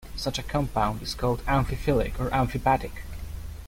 Such a compound is called "amphiphilic" or "amphipathic.